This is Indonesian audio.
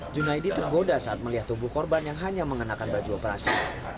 junaidi tergoda saat melihat tubuh korban yang hanya mengenakan baju operasi